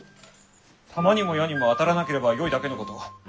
弾にも矢にも当たらなければよいだけのこと。